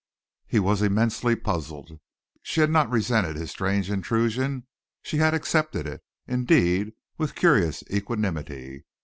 He was immensely puzzled. She had not resented his strange intrusion. She had accepted it, indeed, with curious equanimity.